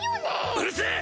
うるせぇ！